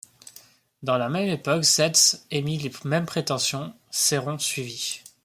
Dans la même époque Sedze émit les mêmes prétentions, Séron suivit.